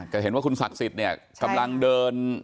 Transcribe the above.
กล้าเห็นว่าคุณศักดิ์สิทธิ์กำลังเดิน